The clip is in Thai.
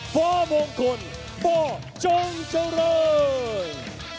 เพื่อมงคุณเพื่อจงเจ้าเริ่ม